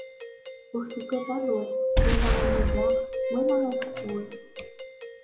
Ur tugad aluḍ, wala amadaɣ, wala ageffur.